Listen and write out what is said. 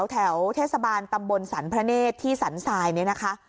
แถวเทศบาลตำบลสรรพระเนธที่สันทรายเนี่ยนะคะ